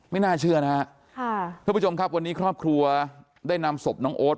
ไม่น่าเชื่อนะครับทุกผู้ที่วันนี้ครอบครัวได้นำสพน้องโอ๊ด